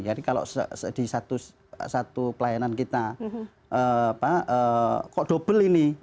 jadi kalau di satu pelayanan kita kok double ini